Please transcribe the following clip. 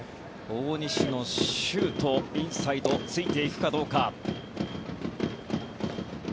大西のシュートインサイド突いていくかどうか。